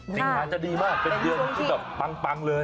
สิงหาจะดีมากเป็นเดือนที่แบบปังเลย